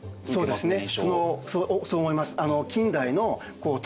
そうですね。